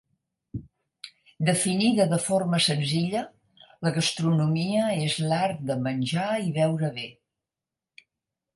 Definida de forma senzilla, la gastronomia és l’art de menjar i beure bé.